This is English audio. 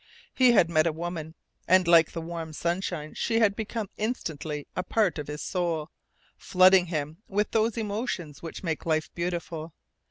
He had met a woman, and like the warm sunshine she had become instantly a part of his soul, flooding him with those emotions which make life beautiful.